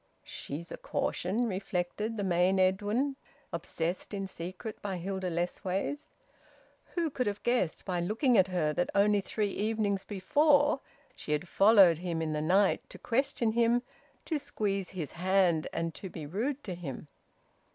"She's a caution!" reflected the main Edwin, obsessed in secret by Hilda Lessways. Who could have guessed, by looking at her, that only three evenings before she had followed him in the night to question him, to squeeze his hand, and to be rude to him?